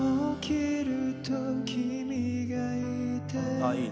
ああいい。